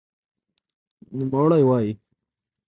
نوموړی وايي